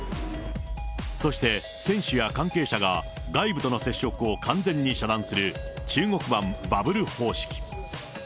そして、選手や関係者が外部との接触を完全に遮断する中国版バブル方式。